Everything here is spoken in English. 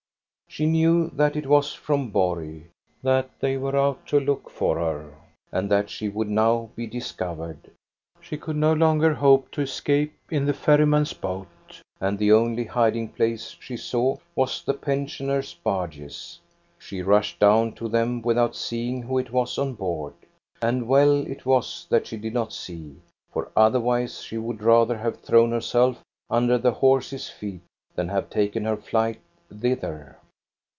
She knew that it was from Borg, that they were out to look for her, and that she would now be discovered. She could no longer hope to escape in the ferryman's boat, and le only hiding place she saw was the pensioners' 284 THE STORY OF GOSTA BERLING barges. She rushed down to them without seeing who it was on board. And well it was that she did not see, for otherwise she would rather have thrown herself under the horses' feet than have taken her flight thither.